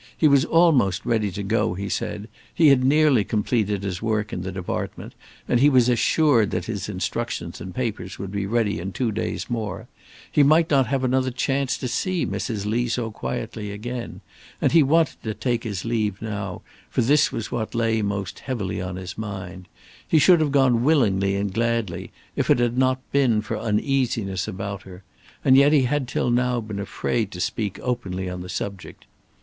He was almost ready to go, he said; he had nearly completed his work in the Department, and he was assured that his instructions and papers would be ready in two days more; he might not have another chance to see Mrs. Lee so quietly again, and he wanted to take his leave now, for this was what lay most heavily on his mind; he should have gone willingly and gladly if it had not been for uneasiness about her; and yet he had till now been afraid to speak openly on the subject.